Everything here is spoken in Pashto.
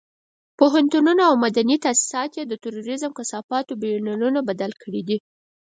پوهنتونونه او مدني تاسيسات یې د تروريزم کثافاتو بيولرونو بدل کړي دي.